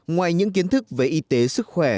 ngoài những kiến thức về y tế sức khỏe